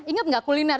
ingat enggak kuliner